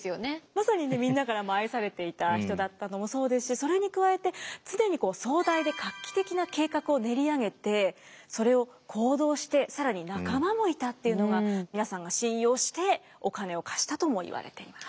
まさにねみんなからも愛されていた人だったのもそうですしそれに加えて常に壮大で画期的な計画を練り上げてそれを行動して更に仲間もいたっていうのが皆さんが信用してお金を貸したともいわれています。